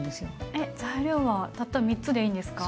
えっ材料はたった３つでいいんですか？